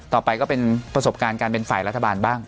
ต่อไปก็เป็นประสบการณ์การเป็นฝ่ายรัฐบาลบ้าง